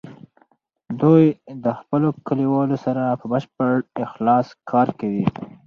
دوی د خپلو کلیوالو سره په بشپړ اخلاص کار کوي.